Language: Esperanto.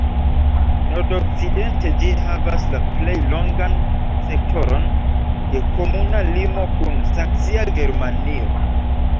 Nordokcidente ĝi havas la plej longan sektoron de komuna limo kun saksia Germanio.